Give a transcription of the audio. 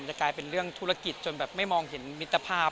จะกลายเป็นเรื่องธุรกิจจนแบบไม่มองเห็นมิตรภาพ